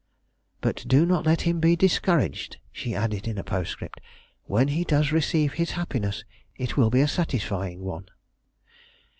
"But do not let him be discouraged," she added in a postscript. "When he does receive his happiness, it will be a satisfying one."